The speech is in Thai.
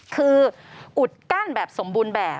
คืออุดกั้นแบบสมบูรณ์แบบ